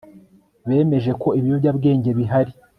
bemeje ko ibiyobyabwenge bihari